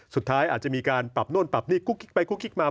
สุดท้ายอาจจะมีการปรับโน่นปรับนี่กุ๊กกิ๊กไปกุ๊กกิ๊กมา